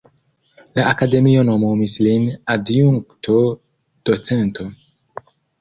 La Akademio nomumis lin Adjunkto-Docento.